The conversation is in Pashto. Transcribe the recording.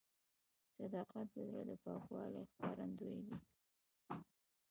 صداقت د زړه د پاکوالي ښکارندوی دی.